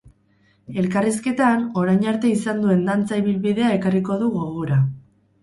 Elkarrizketan, orain arte izan duen dantza ibilbidea ekarriko du gogora.